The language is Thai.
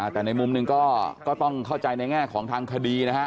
แต่ในมุมหนึ่งก็ต้องเข้าใจในแง่ของทางคดีนะฮะ